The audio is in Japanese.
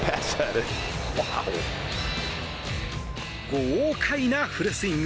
豪快なフルスイング。